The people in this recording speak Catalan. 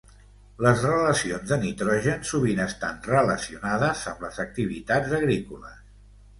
Les relacions de nitrogen sovint estan relacionades amb les activitats agrícoles.